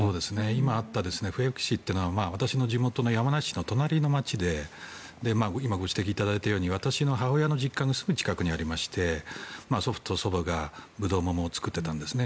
今あった笛吹市というのは私の地元の山梨の隣の町で私の母親の実家のすぐ近くにありまして祖父と祖母がブドウ、桃を作っていたんですね。